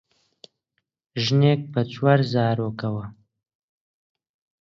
ژنێکە بە چوار زارۆکەوە